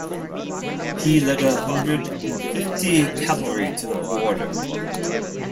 He led a hundred and fifty cavalry to the border.